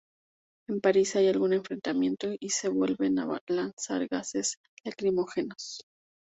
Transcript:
En París hay algún enfrentamiento y se vuelven a lanzar gases lacrimógenos.